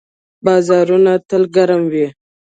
بازارونه یې تل ګرم وي.